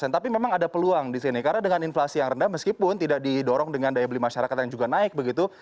tapi memang ada peluang di sini karena dengan inflasi yang rendah meskipun tidak didorong dengan daya beli masyarakat yang juga naik begitu